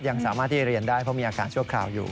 ยังสามารถที่เรียนได้เพราะมีอาการชั่วคราวอยู่